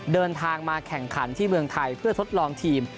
เดินทางมาแข่งขันที่เมืองไทยเพื่อทดลองทีม